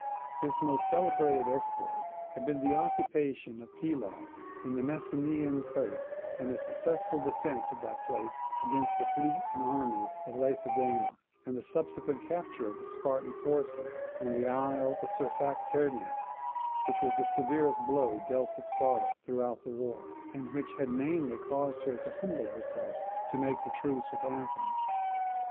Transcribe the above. His most celebrated exploits had been the occupation of Pylos on the Messenian coast, the successful defence of that place against the fleet and armies of Lacedaemon, and the subsequent capture of the Spartan forces on the isle of Sphacteria; which was the severest blow dealt to Sparta throughout the war, and which had mainly caused her to humble herself to make the truce with Athens.